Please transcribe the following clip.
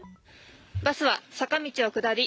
バスは坂道を下り